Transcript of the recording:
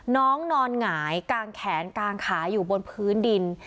น้องนอนหงายกางแขนกางขาอยู่บนพื้นดิน